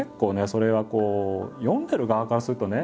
それはこう読んでる側からするとね